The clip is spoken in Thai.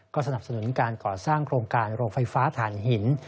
สนับสนุนการก่อสร้างโครงการโรงไฟฟ้าฐานหิน